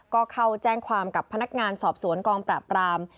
ก็เข้าแจ้งความกับพนักงานสอบสวนกองปราบราม